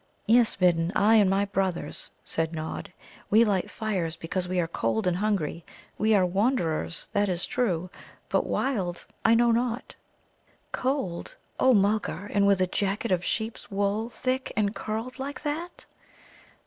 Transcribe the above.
"Yes, Midden; I and my brothers," said Nod. "We light fires because we are cold and hungry. We are wanderers; that is true. But 'wild' I know not." "'Cold,' O Mulgar, and with a jacket of sheep's wool, thick and curled, like that?"